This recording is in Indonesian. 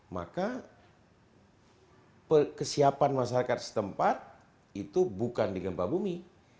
maka kesiapan masyarakat setempat itu bukan di gempa bumi